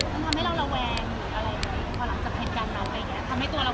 มันทำให้เราระวังหรืออะไร